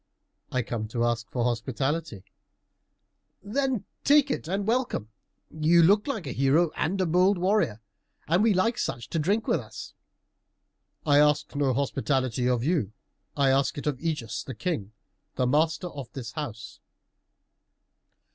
"I come to ask for hospitality." "Then take it and welcome. You look like a hero and a bold warrior, and we like such to drink with us." "I ask no hospitality of you; I ask it of Ægeus the King, the master of this house."